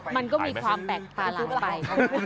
มันก็มีความแปลกตาร้ายไป